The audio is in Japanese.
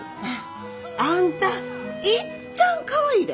あんたいっちゃんかわいいで！